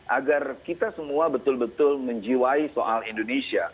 agar kita semua betul betul menjiwai soal indonesia